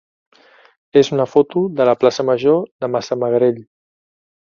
és una foto de la plaça major de Massamagrell.